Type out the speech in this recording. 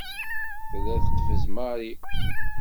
Tella teqfez Mary.